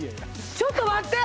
ちょっと待って！？